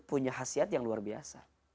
punya khasiat yang luar biasa